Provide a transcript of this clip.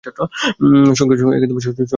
সঙ্গে সঙ্গে বললেন, আচ্ছা আচ্ছা।